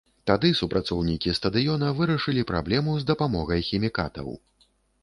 Тады супрацоўнікі стадыёна вырашылі праблему з дапамогай хімікатаў.